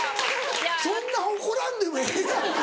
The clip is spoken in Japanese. そんな怒らんでもええやんか。